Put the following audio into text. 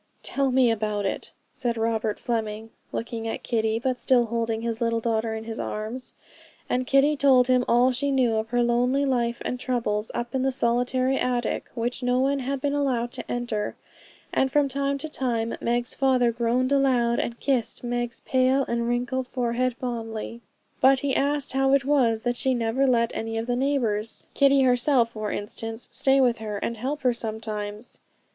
'Tell me all about it,' said Robert Fleming, looking at Kitty, but still holding his little daughter in his arms; and Kitty told him all she knew of her lonely life and troubles up in the solitary attic, which no one had been allowed to enter; and from time to time Meg's father groaned aloud, and kissed Meg's pale and wrinkled forehead fondly. But he asked how it was she never let any of the neighbours, Kitty herself, for instance, stay with her, and help her sometimes.